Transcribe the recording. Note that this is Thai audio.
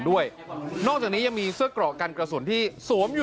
ด้วยนอกจากนี้ยังมีเสื้อกรอกกันกระสุนที่สวมอยู่